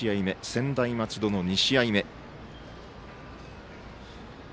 専大松戸の２試合目。